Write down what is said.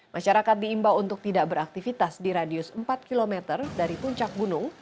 masyarakat diimbau untuk tidak beraktivitas di radius empat km dari puncak gunung